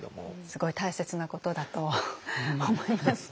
すごい大切なことだと思います。